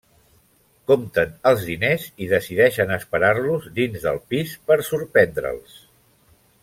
Compten els diners i decideixen esperar-los dins del pis per sorprendre'ls.